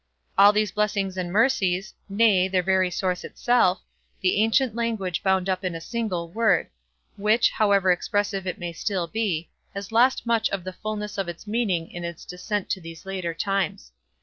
All these blessings and mercies, nay, their very source itself, the ancient language bound up in a single word, which, however expressive it may still be, has lost much of the fulness of its meaning in its descent to these later times.